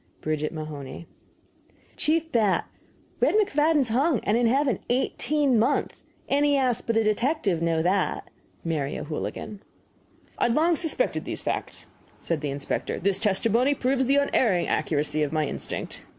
BRIDGET MAHONEY. CHIEF BAT, Red McFadden is hung and in heving 18 month. Any Ass but a detective know that. MARY O'HOOLIGAN. "I had long suspected these facts," said the inspector; "this testimony proves the unerring accuracy of my instinct."